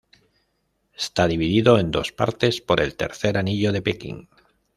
Está dividido en dos partes por el Tercer Anillo de Pekín.